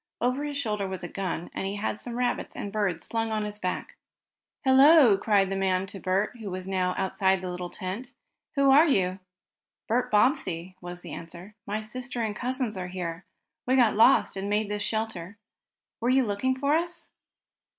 Over his shoulder was a gun, and he had some rabbits and birds slung at his back. "Hello!" called the man to Bert, who was now outside the little tent. "Who are you?" "Bert Bobbsey," was the answer. "My sister and cousins are here. We got lost and made this shelter. Were you looking for us?"